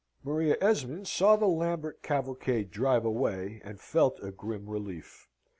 Maria Esmond saw the Lambert cavalcade drive away, and felt a grim relief.